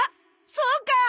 そうか！